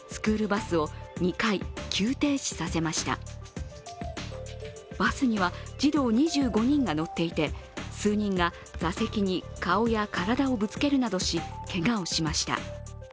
バスには児童２５人が乗っていて数人が座席に顔や体をぶつけるなどしけがをしました。